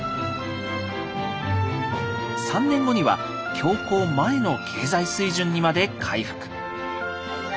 ３年後には恐慌前の経済水準にまで回復。